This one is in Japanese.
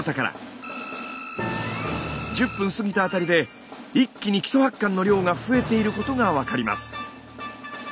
１０分過ぎたあたりで一気に基礎発汗の量が増えていることが分かります。